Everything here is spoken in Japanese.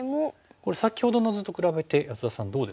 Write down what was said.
これ先ほどの図と比べて安田さんどうですか？